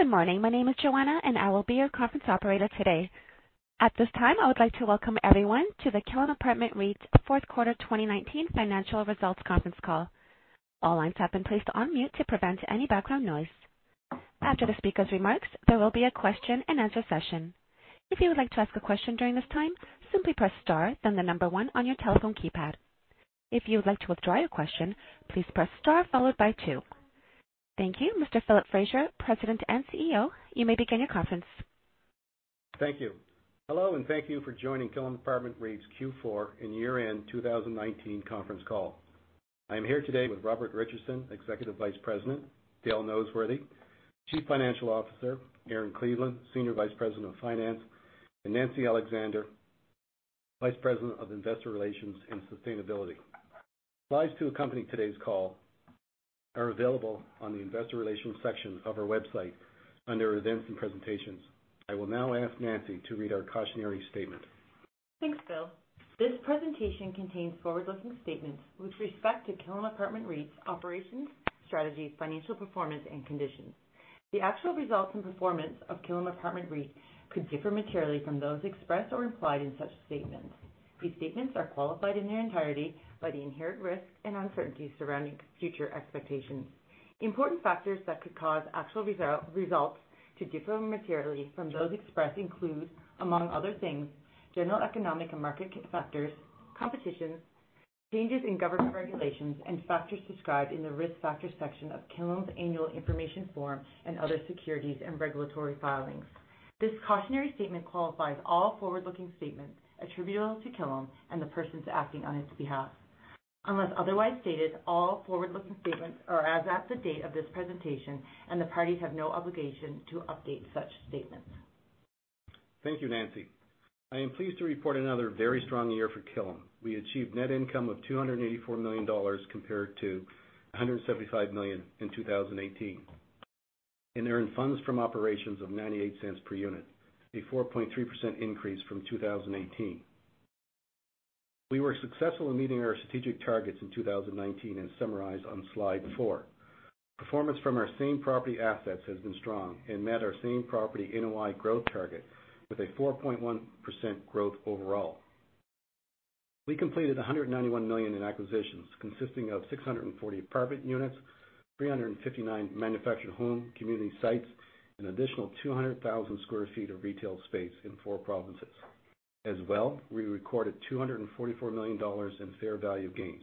Good morning. My name is Joanna, and I will be your conference operator today. At this time, I would like to welcome everyone to the Killam Apartment REIT's fourth quarter 2019 financial results conference call. All lines have been placed on mute to prevent any background noise. After the speaker's remarks, there will be a question and answer session. If you would like to ask a question during this time, simply press star then the number one on your telephone keypad. If you would like to withdraw your question, please press star followed by two. Thank you. Mr. Philip Fraser, President and CEO, you may begin your conference. Thank you. Hello, and thank you for joining Killam Apartment REIT's Q4 and year-end 2019 conference call. I am here today with Robert Richardson, Executive Vice President, Dale Noseworthy, Chief Financial Officer, Erin Cleveland, Senior Vice President of Finance, and Nancy Alexander, Vice President of Investor Relations and Sustainability. Slides to accompany today's call are available on the investor relations section of our website under events and presentations. I will now ask Nancy to read our cautionary statement. Thanks, Phil. This presentation contains forward-looking statements with respect to Killam Apartment REIT's operations, strategies, financial performance, and conditions. The actual results and performance of Killam Apartment REIT could differ materially from those expressed or implied in such statements. These statements are qualified in their entirety by the inherent risks and uncertainties surrounding future expectations. Important factors that could cause actual results to differ materially from those expressed include, among other things, general economic and market factors, competition, changes in government regulations, and factors described in the risk factors section of Killam's annual information form and other securities and regulatory filings. This cautionary statement qualifies all forward-looking statements attributable to Killam and the persons acting on its behalf. Unless otherwise stated, all forward-looking statements are as at the date of this presentation, and the parties have no obligation to update such statements. Thank you, Nancy. I am pleased to report another very strong year for Killam. We achieved net income of 284 million dollars compared to 175 million in 2018, and earned funds from operations of 0.98 per unit, a 4.3% increase from 2018. We were successful in meeting our strategic targets in 2019 as summarized on slide four. Performance from our same property assets has been strong and met our same property NOI growth target with a 4.1% growth overall. We completed 191 million in acquisitions consisting of 640 apartment units, 359 manufactured home community sites, an additional 200,000 sq ft of retail space in four provinces. We recorded 244 million dollars in fair value gains,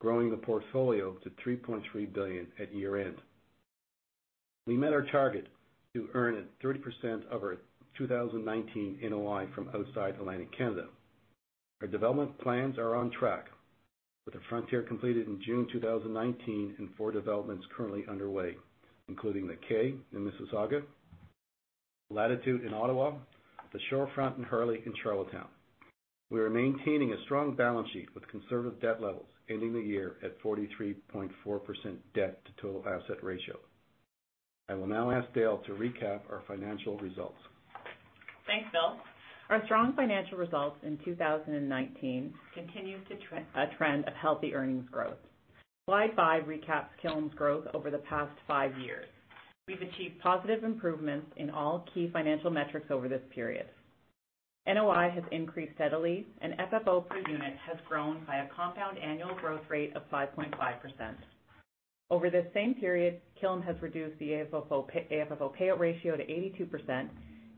growing the portfolio to 3.3 billion at year-end. We met our target to earn 30% of our 2019 NOI from outside Atlantic Canada. Our development plans are on track, with the Frontier completed in June 2019 and four developments currently underway, including The Kay in Mississauga, Latitude in Ottawa, the Shorefront in Harley in Charlottetown. We are maintaining a strong balance sheet with conservative debt levels, ending the year at 43.4% debt to total asset ratio. I will now ask Dale to recap our financial results. Thanks, Phil. Our strong financial results in 2019 continues a trend of healthy earnings growth. Slide five recaps Killam's growth over the past five years. We've achieved positive improvements in all key financial metrics over this period. NOI has increased steadily, and FFO per unit has grown by a compound annual growth rate of 5.5%. Over this same period, Killam has reduced the AFFO payout ratio to 82%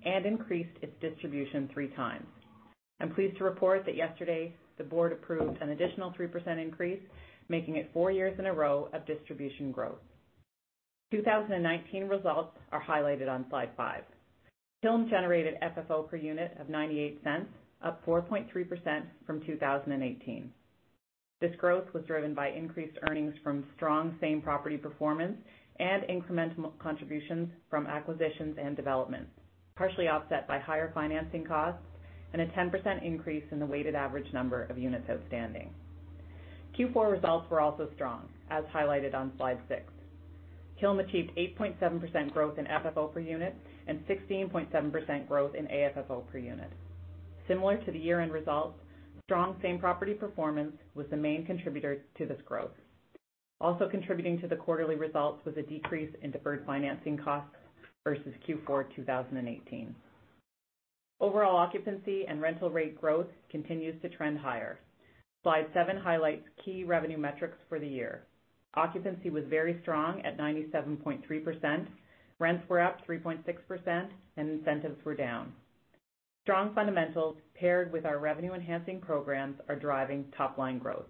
and increased its distribution 3x. I'm pleased to report that yesterday the board approved an additional 3% increase, making it four years in a row of distribution growth. 2019 results are highlighted on slide five. Killam generated FFO per unit of 0.98, up 4.3% from 2018. This growth was driven by increased earnings from strong same property performance and incremental contributions from acquisitions and developments, partially offset by higher financing costs and a 10% increase in the weighted average number of units outstanding. Q4 results were also strong, as highlighted on slide six. Killam achieved 8.7% growth in FFO per unit and 16.7% growth in AFFO per unit. Similar to the year-end results, strong same property performance was the main contributor to this growth. Also contributing to the quarterly results was a decrease in deferred financing costs versus Q4 2018. Overall occupancy and rental rate growth continues to trend higher. Slide seven highlights key revenue metrics for the year. Occupancy was very strong at 97.3%, rents were up 3.6%, and incentives were down. Strong fundamentals paired with our revenue-enhancing programs are driving top-line growth.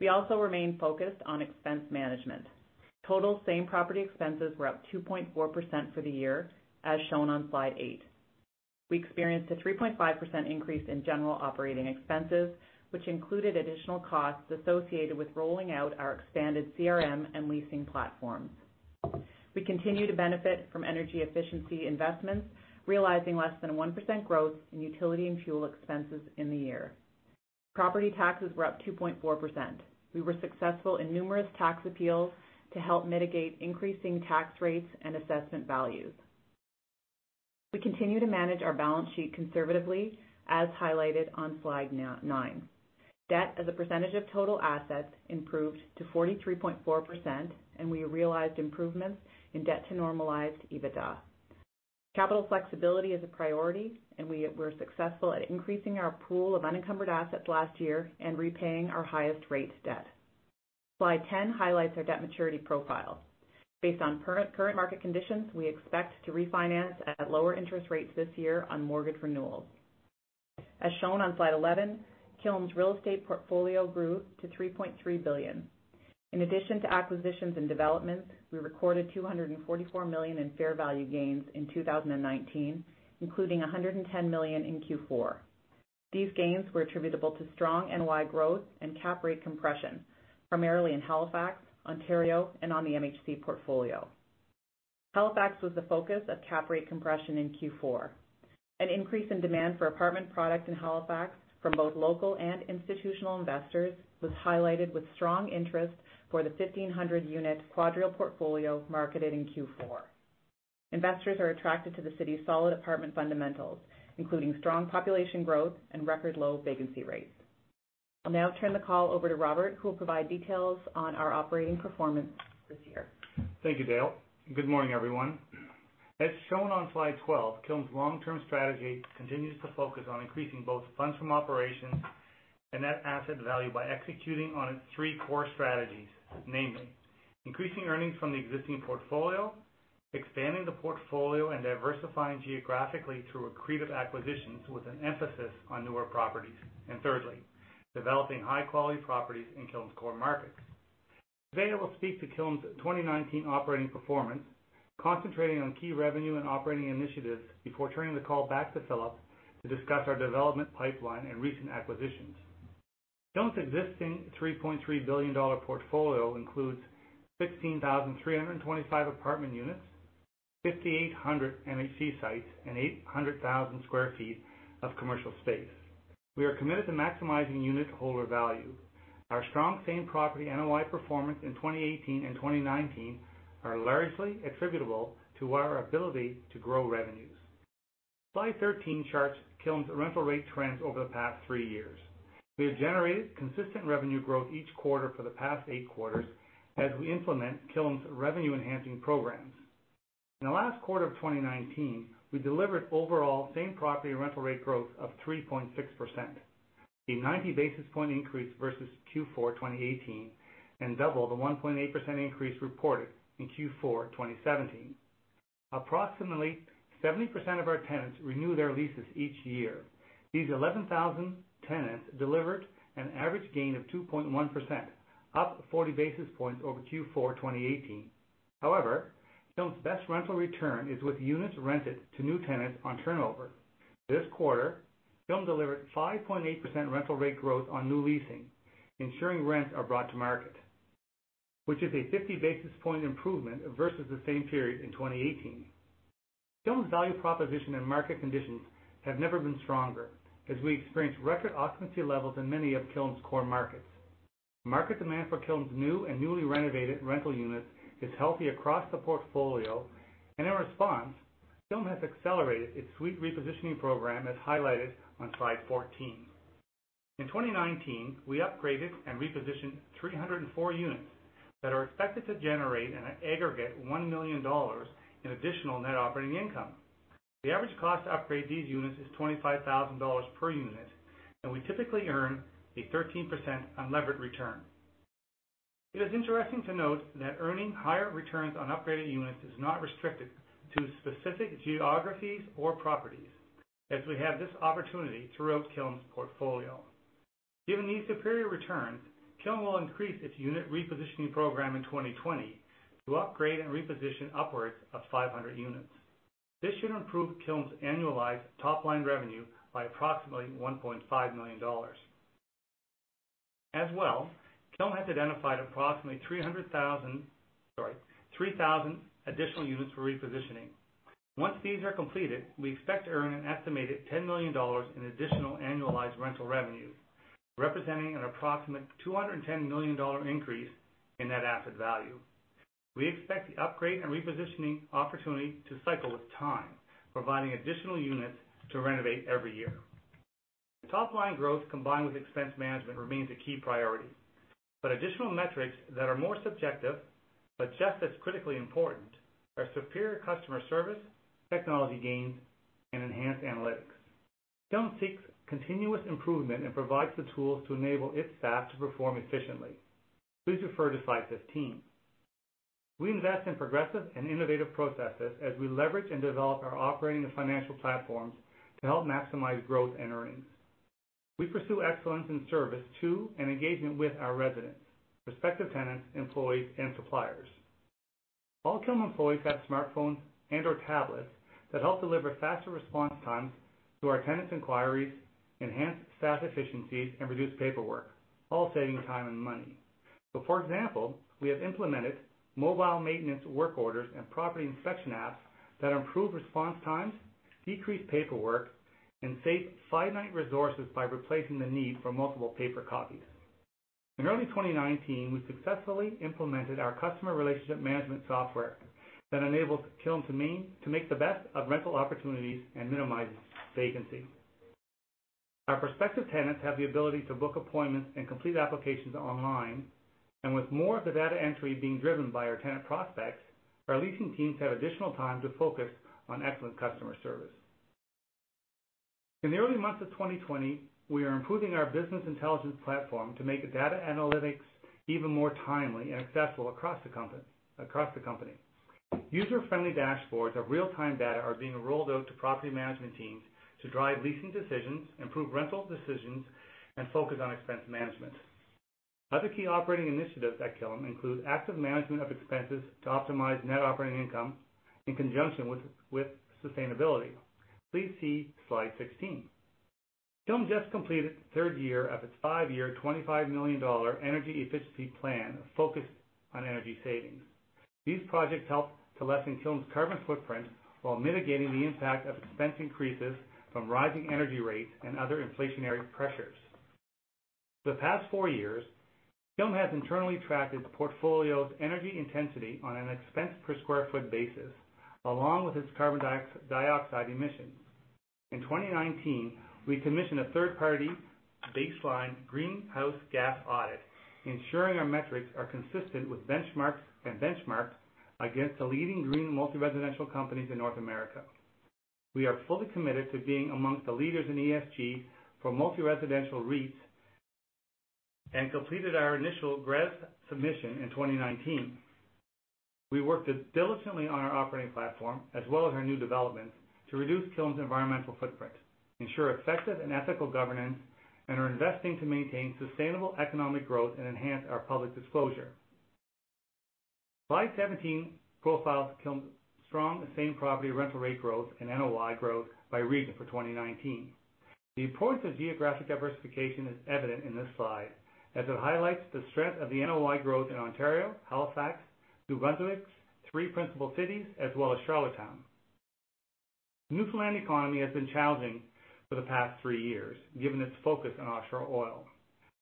We also remain focused on expense management. Total same property expenses were up 2.4% for the year, as shown on slide eight. We experienced a 3.5% increase in general operating expenses, which included additional costs associated with rolling out our expanded CRM and leasing platforms. We continue to benefit from energy efficiency investments, realizing less than 1% growth in utility and fuel expenses in the year. Property taxes were up 2.4%. We were successful in numerous tax appeals to help mitigate increasing tax rates and assessment values. We continue to manage our balance sheet conservatively, as highlighted on slide nine. Debt as a percentage of total assets improved to 43.4%, and we realized improvements in debt to normalized EBITDA. Capital flexibility is a priority, and we were successful at increasing our pool of unencumbered assets last year and repaying our highest rate debt. Slide 10 highlights our debt maturity profile. Based on current market conditions, we expect to refinance at lower interest rates this year on mortgage renewals. As shown on Slide 11, Killam's real estate portfolio grew to 3.3 billion. In addition to acquisitions and developments, we recorded 244 million in fair value gains in 2019, including 110 million in Q4. These gains were attributable to strong NOI growth and cap rate compression, primarily in Halifax, Ontario, and on the MHC portfolio. Halifax was the focus of cap rate compression in Q4. An increase in demand for apartment product in Halifax from both local and institutional investors was highlighted with strong interest for the 1,500-unit QuadReal portfolio marketed in Q4. Investors are attracted to the city's solid apartment fundamentals, including strong population growth and record low vacancy rates. I'll now turn the call over to Robert, who will provide details on our operating performance this year. Thank you, Dale. Good morning, everyone. As shown on slide 12, Killam's long-term strategy continues to focus on increasing both funds from operations and net asset value by executing on its three core strategies, namely increasing earnings from the existing portfolio, expanding the portfolio, and diversifying geographically through accretive acquisitions with an emphasis on newer properties. Thirdly, developing high-quality properties in Killam's core market. Today, I will speak to Killam's 2019 operating performance, concentrating on key revenue and operating initiatives before turning the call back to Philip to discuss our development pipeline and recent acquisitions. Killam's existing CAD 3.3 billion portfolio includes 16,325 apartment units, 5,800 MHC sites, and 800,000 sq ft of commercial space. We are committed to maximizing unitholder value. Our strong same property NOI performance in 2018 and 2019 are largely attributable to our ability to grow revenues. Slide 13 charts Killam's rental rate trends over the past three years. We have generated consistent revenue growth each quarter for the past eight quarters as we implement Killam's revenue-enhancing programs. In the last quarter of 2019, we delivered overall same property rental rate growth of 3.6%, a 90 basis point increase versus Q4 2018, and double the 1.8% increase reported in Q4 2017. Approximately 70% of our tenants renew their leases each year. These 11,000 tenants delivered an average gain of 2.1%, up 40 basis points over Q4 2018. However, Killam's best rental return is with units rented to new tenants on turnover. This quarter, Killam delivered 5.8% rental rate growth on new leasing, ensuring rents are brought to market, which is a 50 basis point improvement versus the same period in 2018. Killam's value proposition and market conditions have never been stronger as we experience record occupancy levels in many of Killam's core markets. Market demand for Killam's new and newly renovated rental units is healthy across the portfolio, and in response, Killam has accelerated its suite repositioning program, as highlighted on Slide 14. In 2019, we upgraded and repositioned 304 units that are expected to generate an aggregate 1 million dollars in additional net operating income. The average cost to upgrade these units is 25,000 dollars per unit, and we typically earn a 13% unlevered return. It is interesting to note that earning higher returns on upgraded units is not restricted to specific geographies or properties as we have this opportunity throughout Killam's portfolio. Given these superior returns, Killam will increase its unit repositioning program in 2020 to upgrade and reposition upwards of 500 units. This should improve Killam's annualized top-line revenue by approximately 1.5 million dollars. As well, Killam has identified approximately 3,000 additional units for repositioning. Once these are completed, we expect to earn an estimated 10 million dollars in additional annualized rental revenue, representing an approximate 210 million dollar increase in net asset value. We expect the upgrade and repositioning opportunity to cycle with time, providing additional units to renovate every year. Top-line growth combined with expense management remains a key priority, but additional metrics that are more subjective but just as critically important are superior customer service, technology gains, and enhanced analytics. Killam seeks continuous improvement and provides the tools to enable its staff to perform efficiently. Please refer to slide 15. We invest in progressive and innovative processes as we leverage and develop our operating and financial platforms to help maximize growth and earnings. We pursue excellence in service to and engagement with our residents, prospective tenants, employees, and suppliers. All Killam employees have smartphones and/or tablets that help deliver faster response times to our tenants' inquiries, enhance staff efficiencies, and reduce paperwork, all saving time and money. For example, we have implemented mobile maintenance work orders and property inspection apps that improve response times, decrease paperwork, and save finite resources by replacing the need for multiple paper copies. In early 2019, we successfully implemented our customer relationship management software that enables Killam to make the best of rental opportunities and minimize vacancy. Our prospective tenants have the ability to book appointments and complete applications online. With more of the data entry being driven by our tenant prospects, our leasing teams have additional time to focus on excellent customer service. In the early months of 2020, we are improving our business intelligence platform to make data analytics even more timely and accessible across the company. User-friendly dashboards of real-time data are being rolled out to property management teams to drive leasing decisions, improve rental decisions, and focus on expense management. Other key operating initiatives at Killam include active management of expenses to optimize net operating income in conjunction with sustainability. Please see slide 16. Killam just completed the third year of its five-year, 25 million dollar Energy Efficiency Plan focused on energy savings. These projects help to lessen Killam's carbon footprint while mitigating the impact of expense increases from rising energy rates and other inflationary pressures. For the past four years, Killam has internally tracked its portfolio's energy intensity on an expense per square foot basis, along with its carbon dioxide emissions. In 2019, we commissioned a third-party baseline greenhouse gas audit, ensuring our metrics are consistent with benchmarks and benchmarked against the leading green multi-residential companies in North America. We are fully committed to being amongst the leaders in ESG for multi-residential REITs and completed our initial GRES submission in 2019. We worked diligently on our operating platform, as well as our new developments, to reduce Killam's environmental footprint, ensure effective and ethical governance, and are investing to maintain sustainable economic growth and enhance our public disclosure. Slide 17 profiles Killam's strong same-property rental rate growth and NOI growth by region for 2019. The importance of geographic diversification is evident in this slide, as it highlights the strength of the NOI growth in Ontario, Halifax, New Brunswick's three principal cities, as well as Charlottetown. The Newfoundland economy has been challenging for the past three years, given its focus on offshore oil.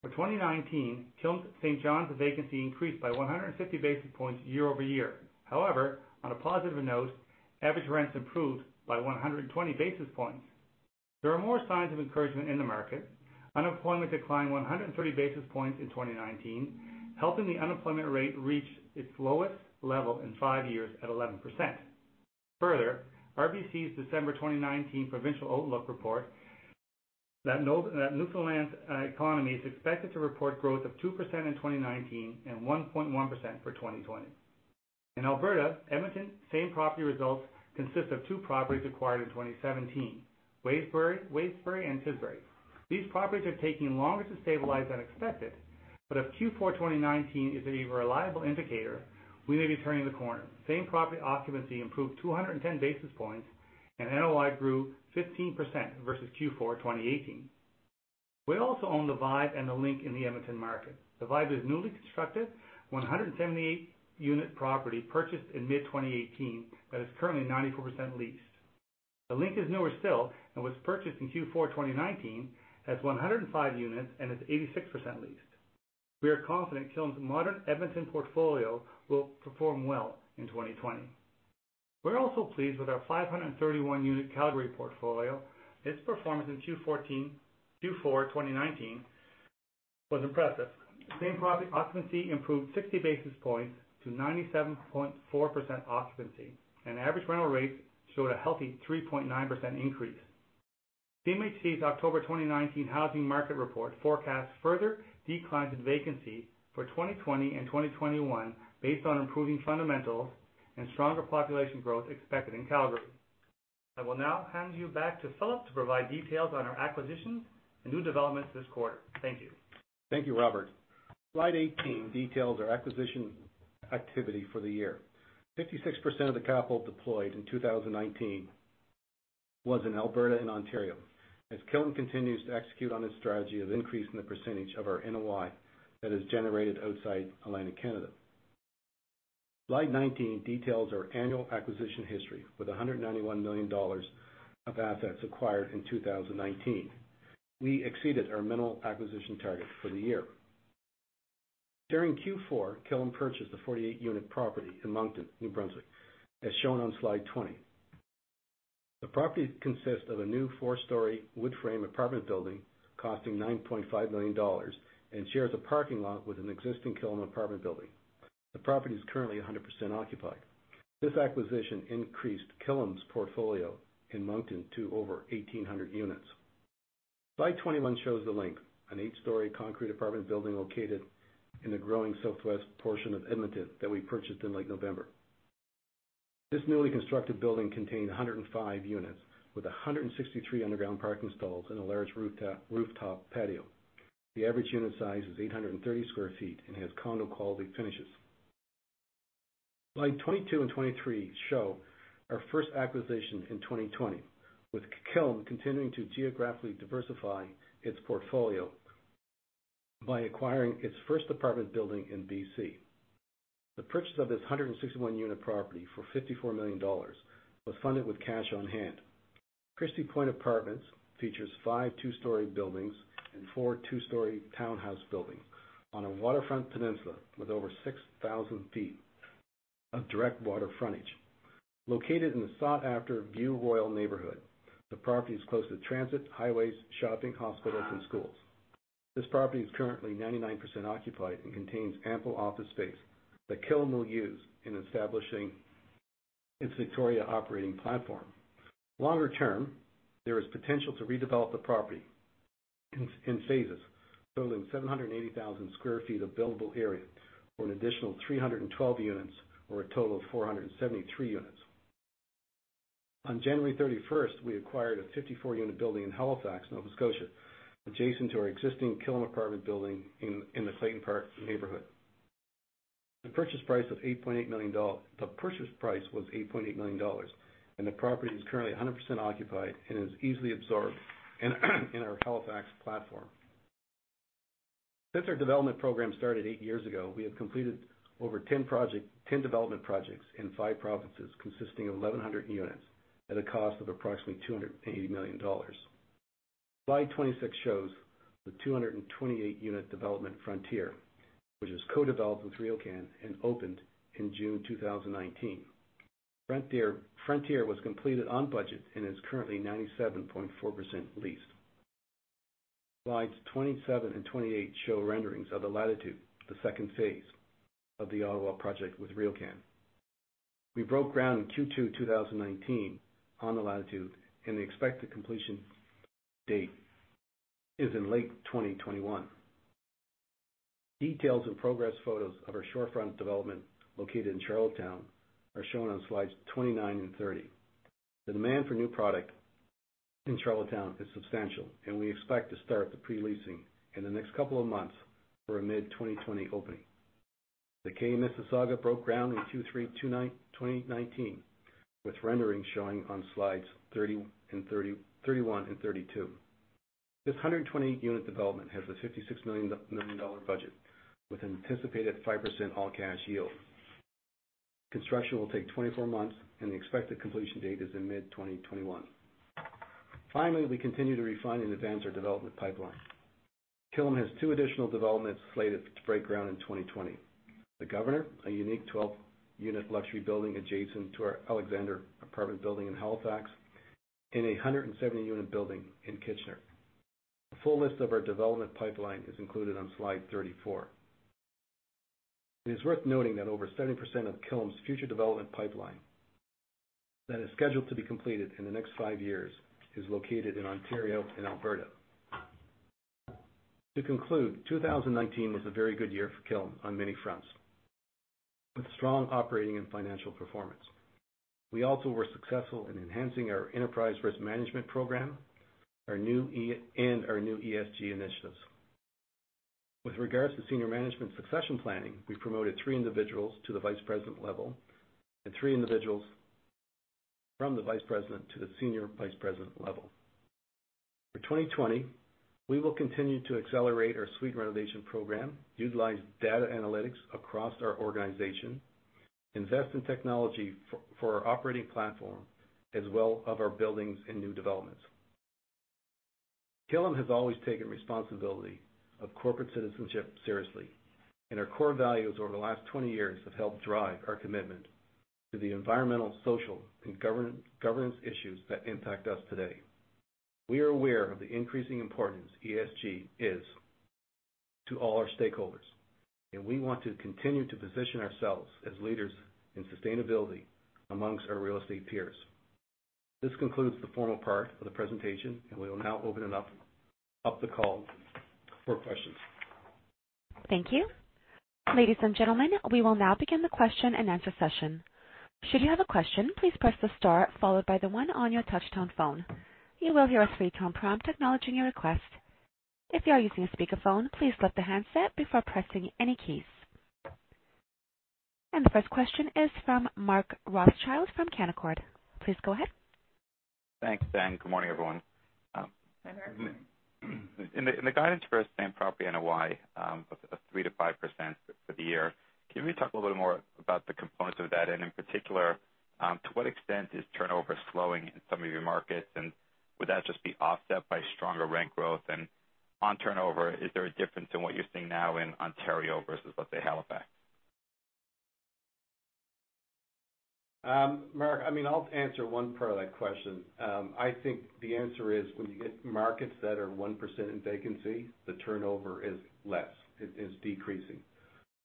For 2019, Killam St. John's vacancy increased by 150 basis points year-over-year. On a positive note, average rents improved by 120 basis points. There are more signs of encouragement in the market. Unemployment declined 130 basis points in 2019, helping the unemployment rate reach its lowest level in five years at 11%. RBC's December 2019 Provincial Outlook Report that Newfoundland's economy is expected to report growth of 2% in 2019 and 1.1% for 2020. In Alberta, Edmonton same-property results consist of two properties acquired in 2017, Waybury Park and Tisbury Crossing. These properties are taking longer to stabilize than expected, if Q4 2019 is a reliable indicator, we may be turning the corner. Same-property occupancy improved 210 basis points, NOI grew 15% versus Q4 2018. We also own Vibe Lofts and The Link in the Edmonton market. The Vibe is a newly constructed 178-unit property purchased in mid-2018 that is currently 94% leased. The Link is newer still and was purchased in Q4 2019, has 105 units, and is 86% leased. We are confident Killam's modern Edmonton portfolio will perform well in 2020. We're also pleased with our 531-unit Calgary portfolio. Its performance in Q4 2019 was impressive. Same-property occupancy improved 60 basis points to 97.4% occupancy, and average rental rates showed a healthy 3.9% increase. CMHC's October 2019 Housing Market Report forecasts further declines in vacancy for 2020 and 2021 based on improving fundamentals and stronger population growth expected in Calgary. I will now hand you back to Philip to provide details on our acquisitions and new developments this quarter. Thank you. Thank you, Robert. Slide 18 details our acquisition activity for the year. 56% of the capital deployed in 2019 was in Alberta and Ontario, as Killam continues to execute on its strategy of increasing the percentage of our NOI that is generated outside Atlantic Canada. Slide 19 details our annual acquisition history with 191 million dollars of assets acquired in 2019. We exceeded our minimal acquisition target for the year. During Q4, Killam purchased a 48-unit property in Moncton, New Brunswick, as shown on slide 20. The property consists of a new four-story wood frame apartment building costing 9.5 million dollars and shares a parking lot with an existing Killam apartment building. The property is currently 100% occupied. This acquisition increased Killam's portfolio in Moncton to over 1,800 units. Slide 21 shows The Link, an eight-story concrete apartment building located in the growing southwest portion of Edmonton that we purchased in late November. This newly constructed building contained 105 units with 163 underground parking stalls and a large rooftop patio. The average unit size is 830 sq ft and has condo-quality finishes. Slide 22 and 23 show our first acquisition in 2020, with Killam continuing to geographically diversify its portfolio by acquiring its first apartment building in B.C. The purchase of this 161-unit property for 54 million dollars was funded with cash on hand. Christie Point Apartments features five two-story buildings and four two-story townhouse buildings on a waterfront peninsula with over 6,000 ft of direct water frontage. Located in the sought-after View Royal neighborhood, the property is close to transit, highways, shopping, hospitals, and schools. This property is currently 99% occupied and contains ample office space that Killam will use in establishing its Victoria operating platform. Longer term, there is potential to redevelop the property in phases, totaling 780,000 sq ft of buildable area for an additional 312 units, or a total of 473 units. On January 31st, we acquired a 54-unit building in Halifax, Nova Scotia, adjacent to our existing Killam apartment building in the Clayton Park neighborhood. The purchase price was 8.8 million dollars, and the property is currently 100% occupied and is easily absorbed in our Halifax platform. Since our development program started eight years ago, we have completed over 10 development projects in five provinces, consisting of 1,100 units at a cost of approximately 280 million dollars. Slide 26 shows the 228-unit development Frontier, which was co-developed with RioCan and opened in June 2019. Frontier was completed on budget and is currently 97.4% leased. Slides 27 and 28 show renderings of The Latitude, the second phase of the Ottawa project with RioCan. We broke ground in Q2 2019 on The Latitude, and the expected completion date is in late 2021. Details and progress photos of our Shorefront development located in Charlottetown are shown on slides 29 and 30. The demand for new product in Charlottetown is substantial, and we expect to start the pre-leasing in the next couple of months for a mid-2020 opening. The Kay Mississauga broke ground in Q3 2019, with renderings showing on slides 31 and 32. This 120-unit development has a 56 million dollar budget with an anticipated 5% all-cash yield. Construction will take 24 months, and the expected completion date is in mid-2021. We continue to refine and advance our development pipeline. Killam has two additional developments slated to break ground in 2020: The Governor, a unique 12-unit luxury building adjacent to The Alexander apartment building in Halifax, and a 170-unit building in Kitchener. A full list of our development pipeline is included on slide 34. It is worth noting that over 70% of Killam's future development pipeline that is scheduled to be completed in the next five years is located in Ontario and Alberta. To conclude, 2019 was a very good year for Killam on many fronts, with strong operating and financial performance. We also were successful in enhancing our enterprise risk management program and our new ESG initiatives. With regards to senior management succession planning, we promoted three individuals to the Vice President level and three individuals from the Vice President to the Senior Vice President level. For 2020, we will continue to accelerate our suite renovation program, utilize data analytics across our organization, invest in technology for our operating platform, as well as our buildings and new developments. Killam has always taken responsibility of corporate citizenship seriously, and our core values over the last 20 years have helped drive our commitment to the environmental, social, and governance issues that impact us today. We are aware of the increasing importance ESG is to all our stakeholders, and we want to continue to position ourselves as leaders in sustainability amongst our real estate peers. This concludes the formal part of the presentation, and we will now open it up the call for questions. Thank you. Ladies and gentlemen, we will now begin the question-and-answer session. Should you have a question, please press the star followed by the one on your touch-tone phone. You will hear a three-tone prompt acknowledging your request. If you are using a speakerphone, please lift the handset before pressing any keys. The first question is from Mark Rothschild from Canaccord. Please go ahead. Thanks, Joanna. Good morning, everyone. Good morning. In the guidance for same property NOI of 3%-5% for the year, can you maybe talk a little more about the components of that? In particular, to what extent is turnover slowing in some of your markets, and would that just be offset by stronger rent growth? On turnover, is there a difference in what you're seeing now in Ontario versus let's say Halifax? Mark, I'll answer one part of that question. I think the answer is when you get markets that are 1% in vacancy, the turnover is less. It is decreasing.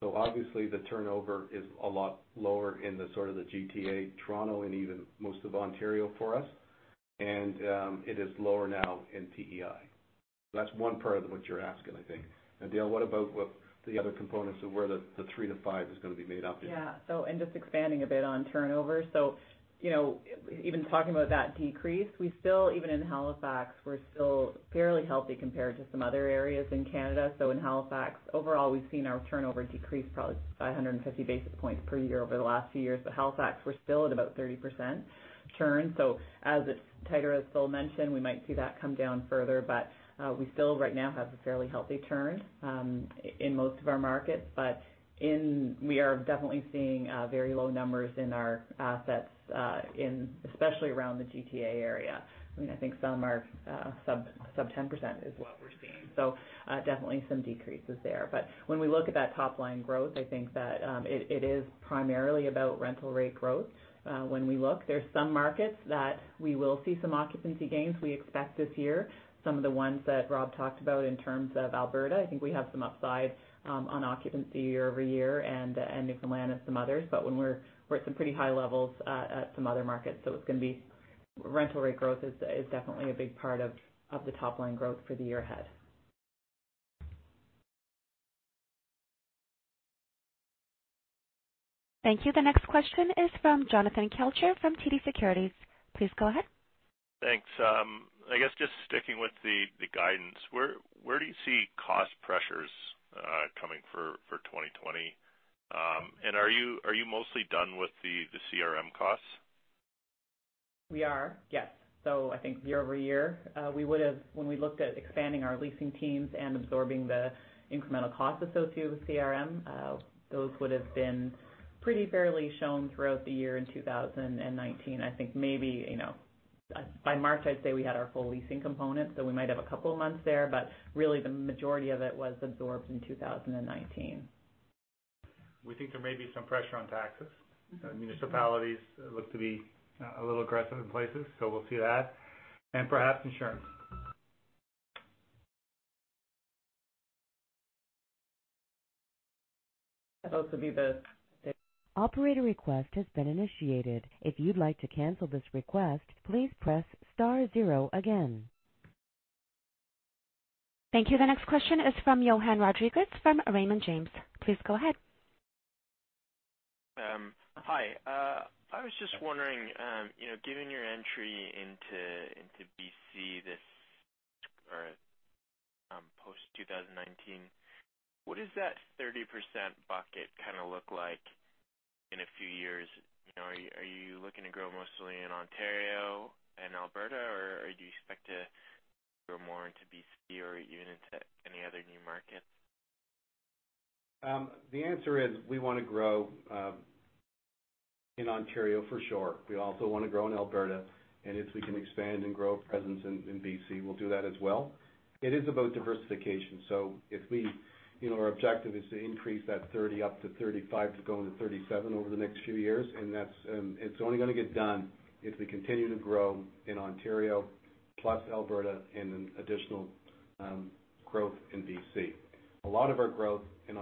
Obviously, the turnover is a lot lower in the GTA, Toronto, and even most of Ontario for us. It is lower now in PEI. That's one part of what you're asking, I think. Dale, what about the other components of where the 3-5 is going to be made up in? Just expanding a bit on turnover. Even talking about that decrease, we still, even in Halifax, we are still fairly healthy compared to some other areas in Canada. In Halifax overall, we have seen our turnover decrease probably by 150 basis points per year over the last few years. Halifax, we are still at about 30% churn. As it is tighter, as Phil mentioned, we might see that come down further. We still right now have a fairly healthy churn in most of our markets. We are definitely seeing very low numbers in our assets especially around the GTA area. I think some are sub 10% is what we are seeing. Definitely some decreases there. When we look at that top-line growth, I think that it is primarily about rental rate growth. When we look, there's some markets that we will see some occupancy gains. We expect this year some of the ones that Rob talked about in terms of Alberta. I think we have some upside on occupancy year-over-year and Newfoundland and some others. We're at some pretty high levels at some other markets. Rental rate growth is definitely a big part of the top-line growth for the year ahead. Thank you. The next question is from Jonathan Kelcher from TD Securities. Please go ahead. Thanks. I guess just sticking with the guidance, where do you see cost pressures coming for 2020? Are you mostly done with the CRM costs? We are, yes. I think year-over-year, when we looked at expanding our leasing teams and absorbing the incremental cost associated with CRM, those would've been pretty fairly shown throughout the year in 2019. I think maybe by March, I'd say we had our full leasing component, so we might have a couple of months there, but really the majority of it was absorbed in 2019. We think there may be some pressure on taxes. Municipalities look to be a little aggressive in places, so we'll see that. Perhaps insurance. Thank you. The next question is from Johann Rodrigues from Raymond James. Please go ahead. Hi. I was just wondering, given your entry into BC this post 2019, what does that 30% bucket kind of look like in a few years? Are you looking to grow mostly in Ontario and Alberta, or do you expect to grow more into BC or even into any other new markets? The answer is we want to grow in Ontario for sure. We also want to grow in Alberta, and if we can expand and grow a presence in BC, we'll do that as well. It is about diversification. Our objective is to increase that 30 up to 35 to go into 37 over the next few years. It's only going to get done if we continue to grow in Ontario plus Alberta and then additional growth in BC. A lot of growth and-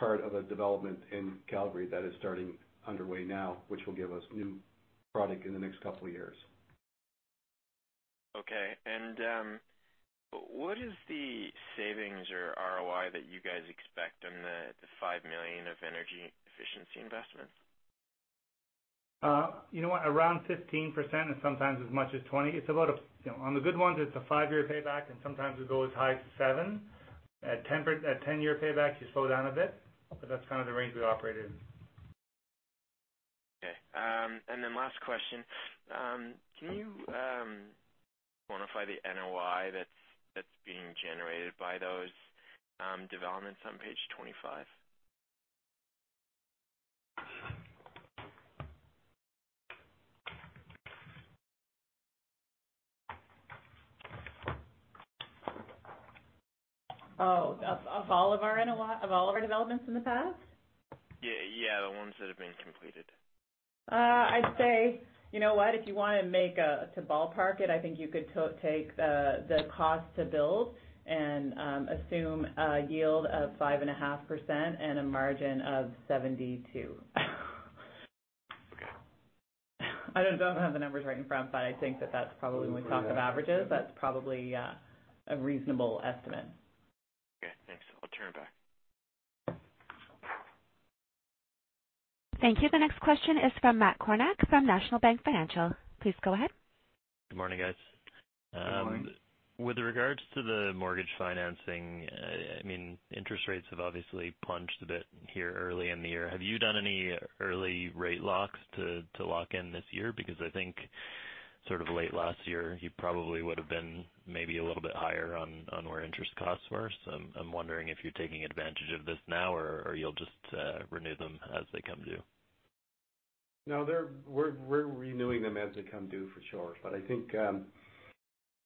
Part of a development in Calgary that is starting underway now, which will give us new product in the next couple of years. Okay. What is the savings or ROI that you guys expect on the 5 million of energy efficiency investments? Around 15% and sometimes as much as 20%. On the good ones, it's a five-year payback, and sometimes it goes as high as seven. At 10-year payback, you slow down a bit, but that's kind of the range we operate in. Okay. Last question. Can you quantify the NOI that's being generated by those developments on page 25? Of all of our developments in the past? Yeah. The ones that have been completed. I'd say, you know what? If you want to ballpark it, I think you could take the cost to build and assume a yield of 5.5% and a margin of 72%. Okay. I don't have the numbers right in front of me, but I think that when we talk of averages, that's probably a reasonable estimate. Okay, thanks. I'll turn it back. Thank you. The next question is from Matt Kornack from National Bank Financial. Please go ahead. Good morning, guys. Good morning. With regards to the mortgage financing, interest rates have obviously plunged a bit here early in the year. Have you done any early rate locks to lock in this year? I think sort of late last year, you probably would've been maybe a little bit higher on where interest costs were. I'm wondering if you're taking advantage of this now or you'll just renew them as they come due. No. We're renewing them as they come due for sure. I think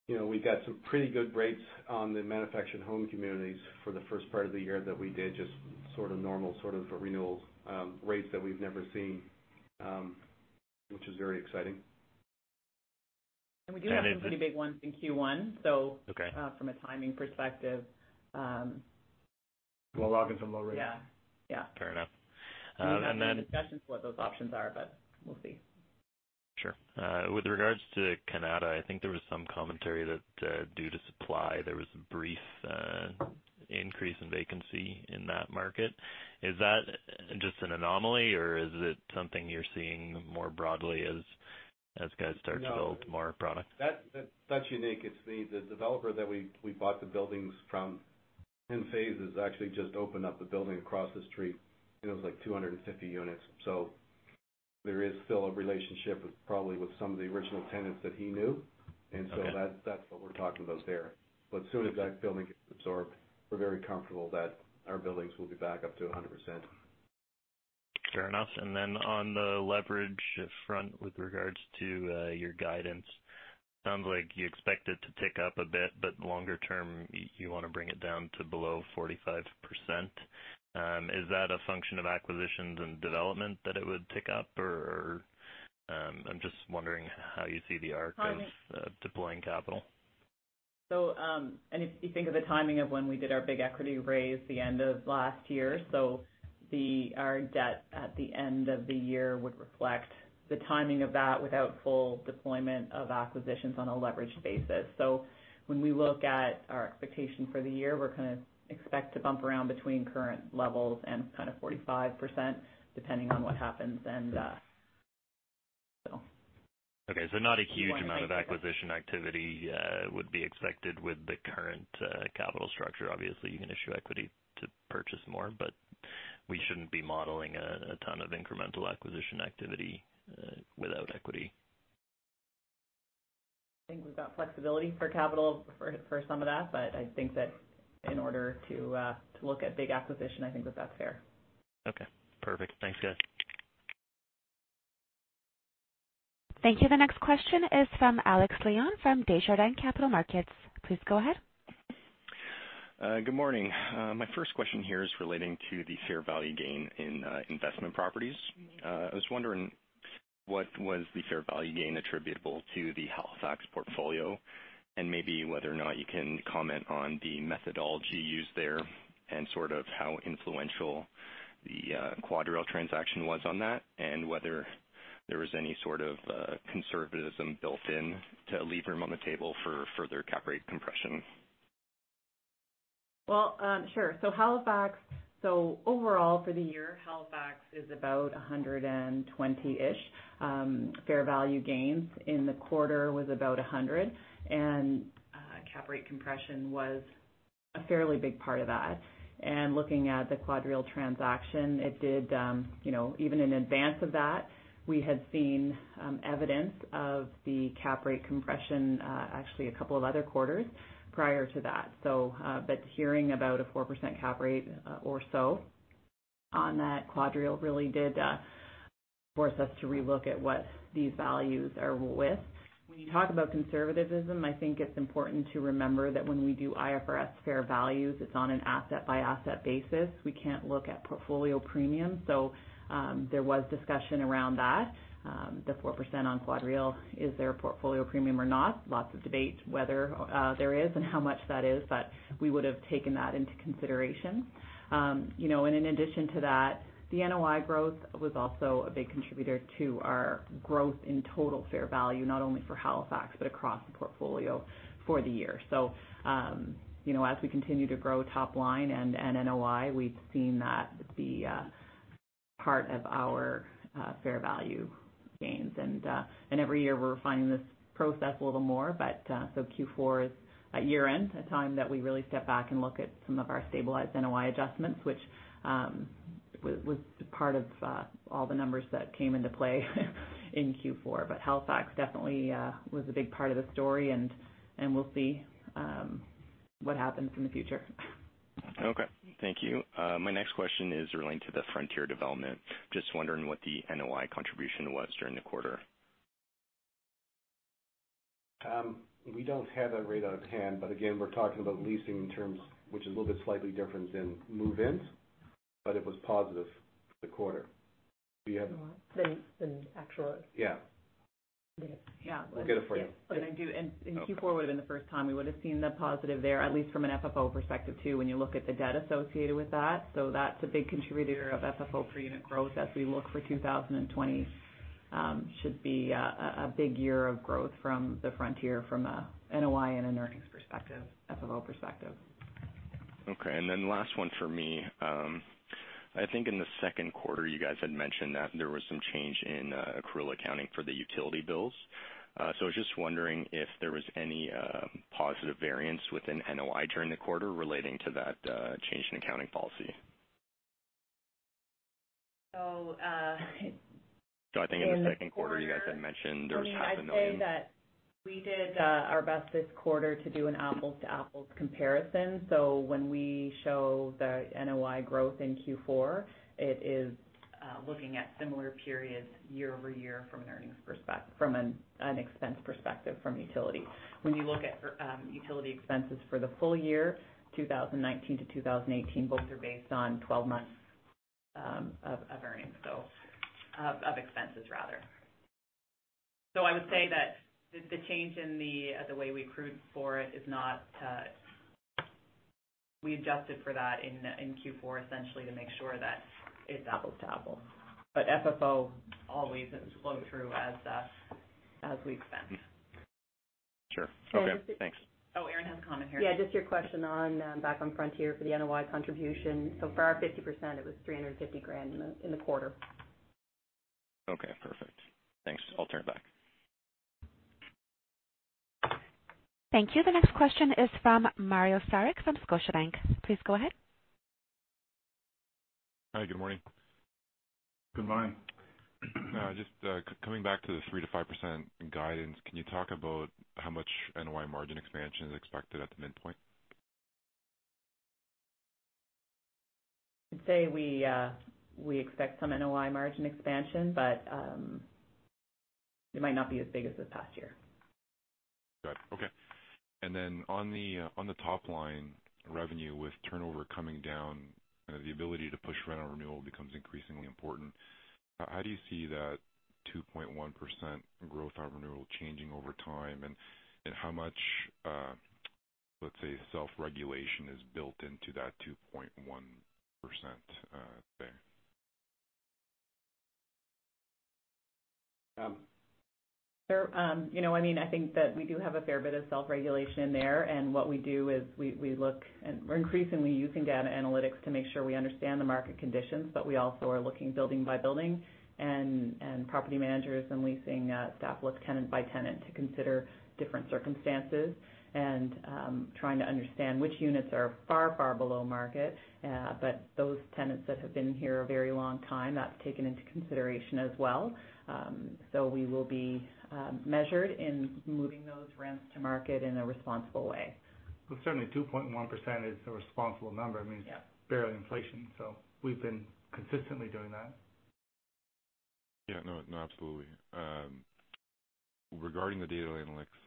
we got some pretty good rates on the manufactured home communities for the first part of the year that we did just sort of normal sort of renewal rates that we've never seen, which is very exciting. We do have some pretty big ones in Q1. Okay. From a timing perspective. We'll lock in some low rates. Yeah. Fair enough. We're having discussions what those options are, but we'll see. Sure. With regards to Canada, I think there was some commentary that due to supply, there was a brief increase in vacancy in that market. Is that just an anomaly, or is it something you're seeing more broadly as guys start to build more product? No. That's unique. It's the developer that we bought the buildings from in phases actually just opened up a building across the street. I think it was like 250 units. There is still a relationship probably with some of the original tenants that he knew. Okay. That's what we're talking about there. As soon as that building gets absorbed, we're very comfortable that our buildings will be back up to 100%. Fair enough. On the leverage front with regards to your guidance, sounds like you expect it to tick up a bit, but longer term, you want to bring it down to below 45%. Is that a function of acquisitions and development that it would tick up, or I am just wondering how you see the arc of deploying capital? If you think of the timing of when we did our big equity raise the end of last year, our debt at the end of the year would reflect the timing of that without full deployment of acquisitions on a leverage basis. When we look at our expectation for the year, we're kind of expect to bump around between current levels and 45%, depending on what happens then. Okay. Not a huge amount of acquisition activity would be expected with the current capital structure. Obviously, you can issue equity to purchase more, but we shouldn't be modeling a ton of incremental acquisition activity without equity. I think we've got flexibility for capital for some of that, but I think that in order to look at big acquisition, I think that's fair. Okay, perfect. Thanks, guys. Thank you. The next question is from Alex Leon from Desjardins Capital Markets. Please go ahead. Good morning. My first question here is relating to the fair value gain in investment properties. I was wondering what was the fair value gain attributable to the Halifax portfolio, and maybe whether or not you can comment on the methodology used there and sort of how influential the QuadReal transaction was on that, and whether there was any sort of conservatism built in to leave room on the table for further cap rate compression. Well, sure. Overall for the year, Halifax is about 120-ish. Fair value gains in the quarter was about 100, and cap rate compression was a fairly big part of that. Looking at the QuadReal transaction, even in advance of that, we had seen evidence of the cap rate compression actually a couple of other quarters prior to that. Hearing about a 4% cap rate or so on that QuadReal really did force us to re-look at what these values are with. When you talk about conservatism, I think it's important to remember that when we do IFRS fair values, it's on an asset-by-asset basis. We can't look at portfolio premium. There was discussion around that. The 4% on QuadReal, is there a portfolio premium or not? Lots of debate whether there is and how much that is, we would've taken that into consideration. In addition to that, the NOI growth was also a big contributor to our growth in total fair value, not only for Halifax but across the portfolio for the year. As we continue to grow top line and NOI, we've seen that be a part of our fair value gains. Every year, we're refining this process a little more. Q4 is a year-end, a time that we really step back and look at some of our stabilized NOI adjustments, which was part of all the numbers that came into play in Q4. Halifax definitely was a big part of the story, and we'll see what happens in the future. Okay. Thank you. My next question is relating to the Frontier development. Just wondering what the NOI contribution was during the quarter. We don't have that right out of hand, but again, we're talking about leasing terms, which is a little bit slightly different than move-ins, but it was positive for the quarter. NOI? Than actual- Yeah. Okay. Yeah. We'll get it for you. Q4 would've been the first time we would've seen the positive there, at least from an FFO perspective too, when you look at the debt associated with that. That's a big contributor of FFO per unit growth as we look for 2020. Should be a big year of growth from the Frontier from a NOI and an earnings perspective, FFO perspective. Okay. Last one for me. I think in the second quarter, you guys had mentioned that there was some change in accrual accounting for the utility bills. I was just wondering if there was any positive variance within NOI during the quarter relating to that change in accounting policy. So- I think in the second quarter, you guys had mentioned there was half a million. I'd say that we did our best this quarter to do an apples to apples comparison. When we show the NOI growth in Q4, it is looking at similar periods year-over-year from an expense perspective from utilities. When you look at utility expenses for the full year, 2019 to 2018, both are based on 12 months of earnings. Of expenses rather. I would say that the change in the way we accrued for it, we adjusted for that in Q4 essentially to make sure that it's apples to apples. FFO always has flowed through as we've spent. Sure. Okay, thanks. Erin has a comment here. Yeah, just your question on back on Frontier for the NOI contribution. For our 50%, it was 350,000 in the quarter. Okay, perfect. Thanks. I'll turn it back. Thank you. The next question is from Mario Saric from Scotiabank. Please go ahead. Hi. Good morning. Good morning. Just coming back to the 3%-5% guidance, can you talk about how much NOI margin expansion is expected at the midpoint? I'd say we expect some NOI margin expansion, but it might not be as big as this past year. Got it. Okay. On the top line revenue, with turnover coming down, the ability to push rent on renewal becomes increasingly important. How do you see that 2.1% growth on renewal changing over time, and how much, let's say, self-regulation is built into that 2.1%? I think that we do have a fair bit of self-regulation in there, and what we do is we look, and we're increasingly using data analytics to make sure we understand the market conditions, but we also are looking building by building. Property managers and leasing staff look tenant by tenant to consider different circumstances and trying to understand which units are far below market. Those tenants that have been here a very long time, that's taken into consideration as well. We will be measured in moving those rents to market in a responsible way. Well, certainly 2.1% is a responsible number. Yeah. Barely inflation. We've been consistently doing that. Yeah. No, absolutely. Regarding the data analytics,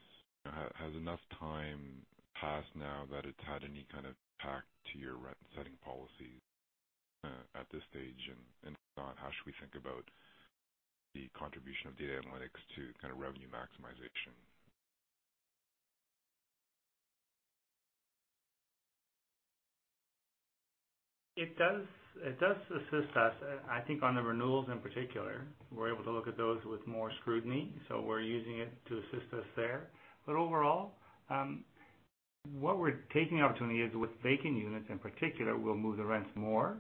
has enough time passed now that it's had any kind of impact to your rent-setting policy at this stage? If not, how should we think about the contribution of data analytics to revenue maximization? It does assist us, I think, on the renewals in particular. We're able to look at those with more scrutiny, so we're using it to assist us there. Overall, what we're taking the opportunity is with vacant units in particular, we'll move the rents more.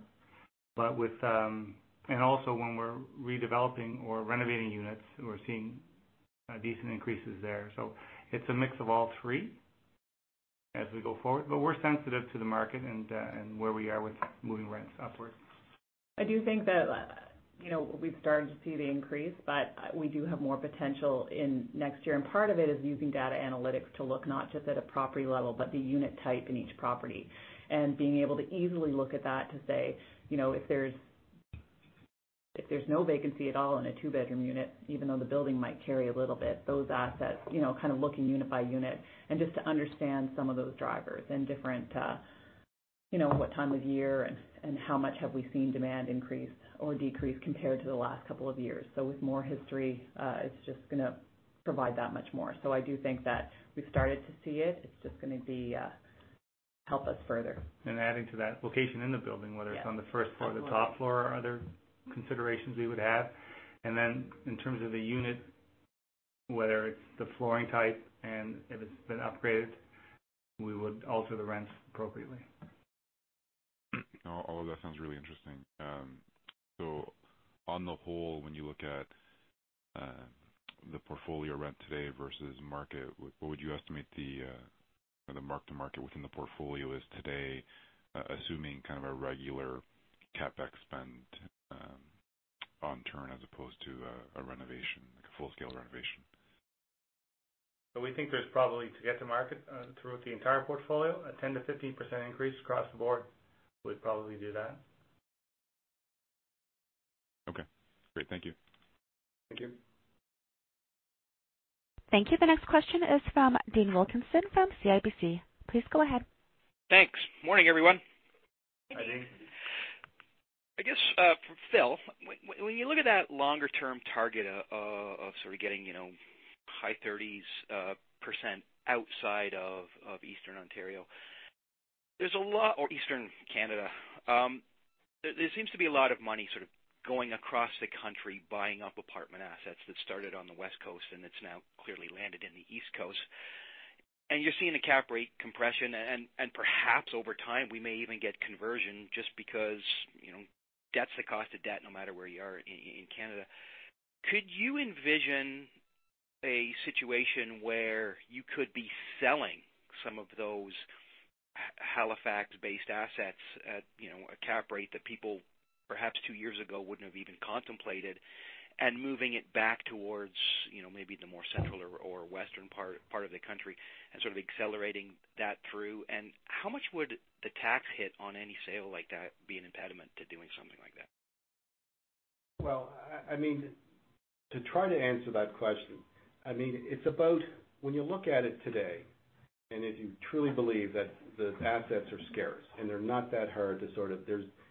Also, when we're redeveloping or renovating units, we're seeing decent increases there. It's a mix of all three as we go forward. We're sensitive to the market and where we are with moving rents upwards. I do think that we've started to see the increase, but we do have more potential next year. Part of it is using data analytics to look not just at a property level, but the unit type in each property. Being able to easily look at that to say if there's no vacancy at all in a two-bedroom unit, even though the building might carry a little bit, those assets, kind of looking unit by unit and just to understand some of those drivers and different what time of year and how much have we seen demand increase or decrease compared to the last couple of years. With more history, it's just going to provide that much more. I do think that we've started to see it. It's just going to help us further. Adding to that, location in the building. Yes whether it's on the first floor or the top floor are other considerations we would have. Then in terms of the unit, whether it's the flooring type and if it's been upgraded, we would alter the rents appropriately. All of that sounds really interesting. On the whole, when you look at the portfolio rent today versus market, what would you estimate the mark-to-market within the portfolio is today, assuming kind of a regular CapEx spend on turn as opposed to a renovation, like a full-scale renovation? We think there's probably to get to market throughout the entire portfolio, a 10%-15% increase across the board would probably do that. Okay, great. Thank you. Thank you. Thank you. The next question is from Dean Wilkinson from CIBC. Please go ahead. Thanks. Morning, everyone. Hi, Dean. I guess, for Phil, when you look at that longer-term target of sort of getting high 30%s outside of Eastern Ontario or Eastern Canada. There seems to be a lot of money sort of going across the country buying up apartment assets that started on the West Coast and it's now clearly landed in the East Coast. You're seeing a cap rate compression, and perhaps over time we may even get conversion just because that's the cost of debt no matter where you are in Canada. Could you envision a situation where you could be selling some of those Halifax-based assets at a cap rate that people perhaps two years ago wouldn't have even contemplated, and moving it back towards maybe the more central or western part of the country and sort of accelerating that through? How much would the tax hit on any sale like that be an impediment to doing something like that? Well, to try to answer that question, when you look at it today, and if you truly believe that the assets are scarce and they're not that hard to sort of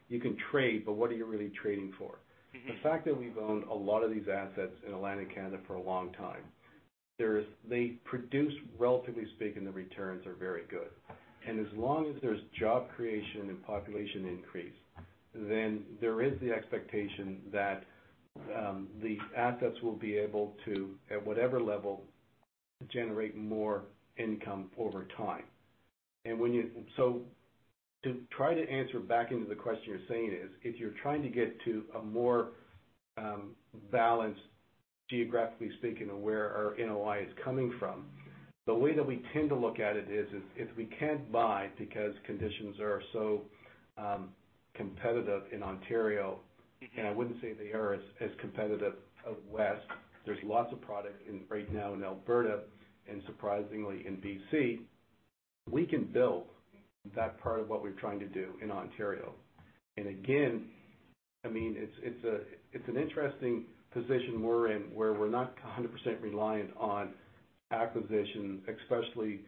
you can trade, but what are you really trading for? The fact that we've owned a lot of these assets in Atlantic Canada for a long time, they produce, relatively speaking, the returns are very good. As long as there's job creation and population increase, then there is the expectation that the assets will be able to, at whatever level, generate more income over time. To try to answer back into the question you're saying is, if you're trying to get to a more balanced, geographically speaking, of where our NOI is coming from, the way that we tend to look at it is, if we can't buy because conditions are so competitive in Ontario, and I wouldn't say they are as competitive out west, there's lots of product right now in Alberta and surprisingly in B.C. We can build that part of what we're trying to do in Ontario. Again, it's an interesting position we're in, where we're not 100% reliant on acquisition, especially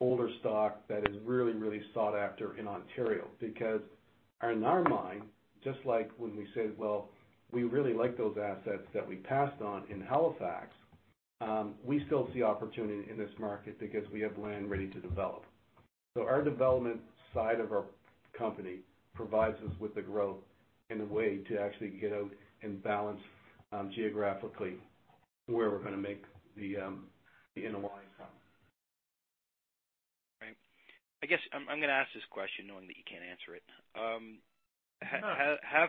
older stock that is really sought after in Ontario. In our mind, just like when we said, well, we really like those assets that we passed on in Halifax, we still see opportunity in this market because we have land ready to develop. Our development side of our company provides us with the growth and a way to actually get out and balance geographically where we're going to make the NOI from. Right. I guess I'm going to ask this question knowing that you can't answer it. No. Have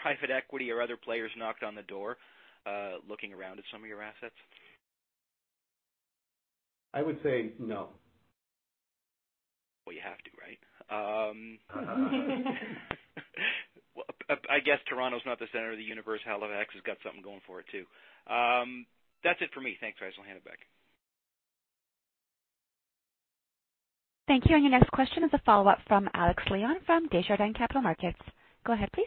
private equity or other players knocked on the door, looking around at some of your assets? I would say no. Well, you have to, right? I guess Toronto's not the center of the universe. Halifax has got something going for it, too. That's it for me. Thanks, guys. I'll hand it back. Thank you. Your next question is a follow-up from Alex Leon from Desjardins Capital Markets. Go ahead, please.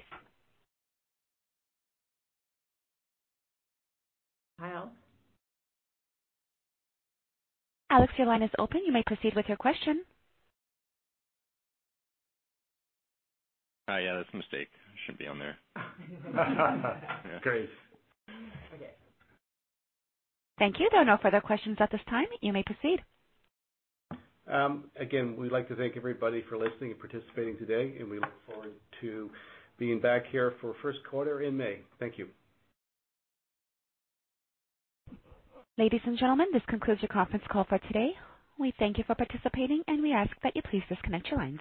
Hi, Alex. Alex, your line is open. You may proceed with your question. Hi. Yeah, that's a mistake. Shouldn't be on there. Great. Okay. Thank you. There are no further questions at this time. You may proceed. Again, we'd like to thank everybody for listening and participating today, and we look forward to being back here for first quarter in May. Thank you. Ladies and gentlemen, this concludes your conference call for today. We thank you for participating, and we ask that you please disconnect your lines.